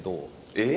えっ？